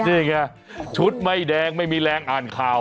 นี่ไงชุดไม่แดงไม่มีแรงอ่านข่าว